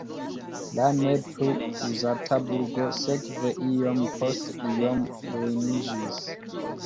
La ne plu uzata burgo sekve iom post iom ruiniĝis.